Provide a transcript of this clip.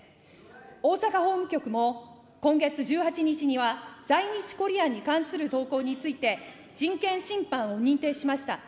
大阪法務局も今月１８日には在日コリアンに関する投稿について、人権侵犯を認定しました。